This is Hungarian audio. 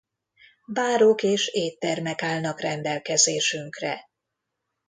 Bárok és éttermek állnak rendelkezésünkre.